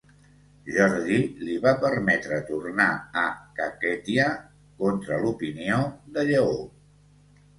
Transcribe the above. Jordi li va permetre tornar a Kakhètia contra l'opinió de Lleó.